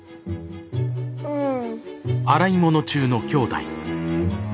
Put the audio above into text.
うん。